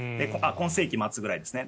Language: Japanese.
今世紀末くらいですね。